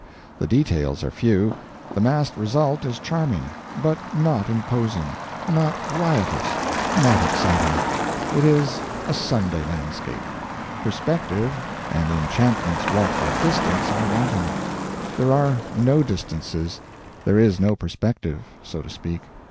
The details are few, the massed result is charming, but not imposing; not riotous, not exciting; it is a Sunday landscape. Perspective, and the enchantments wrought by distance, are wanting. There are no distances; there is no perspective, so to speak.